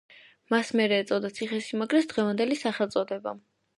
მას მერე ეწოდა ციხესიმაგრეს დღევანდელი სახელწოდება.